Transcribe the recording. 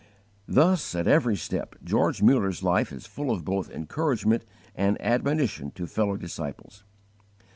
Thus, at every step, George Mullers life is full of both encouragement and admonition to fellow disciples.